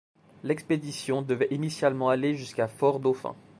L'expédition devait initialement aller jusqu'à Fort Dauphin.